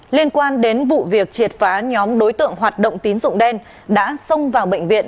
liên quan đến vụ việc triệt phá nhóm đối tượng hoạt động tín dụng đen đã xông vào bệnh viện